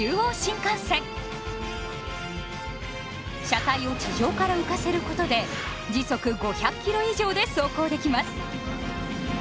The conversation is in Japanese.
車体を地上から浮かせることで時速５００ｋｍ以上で走行できます。